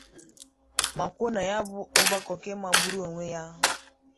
ma kwuo na ya bụ ọgbakọ bụ nke magburu onwe ya